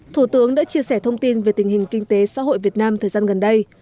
thủ tướng đã chia sẻ thông tin về tình hình kinh tế xã hội việt nam thời gian gần đây